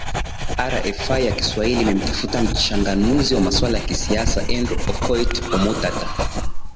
rfi ya kiswahili imemtafuta mchanganuzi wa maswala ya kisiasa andrew okoit omutata